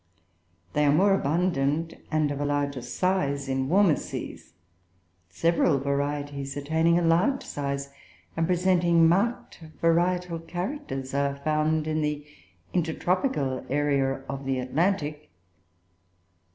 They are more abundant and of a larger size in warmer seas; several varieties, attaining a large size and presenting marked varietal characters, are found in the intertropical area of the Atlantic.